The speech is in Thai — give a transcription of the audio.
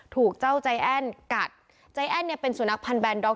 ถูกเจ้าใจแอ้นกัดใจแอ้นเนี่ยเป็นสุนัขพันธ์ด็อก